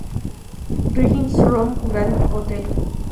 Regis Rome Grand Hotel.